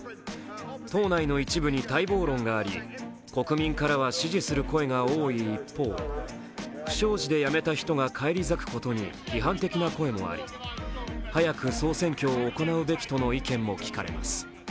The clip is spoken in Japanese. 党内の一部に待望論があり国民からは支持する声が多い一方不祥事でやめた人が返り咲くことに批判的な声もあり、早く総選挙を行うべきとの意見も聞かれます。